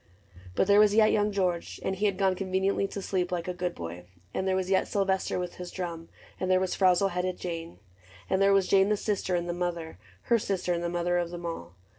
But there was yet Young George — and he had gone Conveniently to sleep, like a good boy ; And there was yet Sylvester with his drum, And there was frowzle headed little Jane j And there was Jane the sister, and the mother, — Her sister, and the mother of them all.